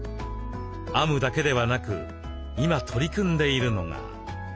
編むだけではなく今取り組んでいるのが。